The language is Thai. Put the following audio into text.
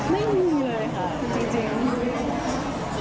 ไม่มีเลยค่ะ